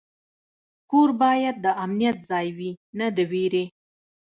کور باید د امنیت ځای وي، نه د ویرې.